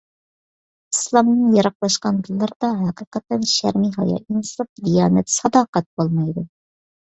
ئىسلامدىن يىراقلاشقان دىللاردا ھەقىقەتەن شەرمى-ھايا، ئىنساپ-دىيانەت، ساداقەت بولمايدۇ.